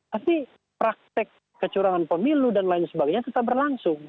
tapi praktek kecurangan pemilu dan lain sebagainya tetap berlangsung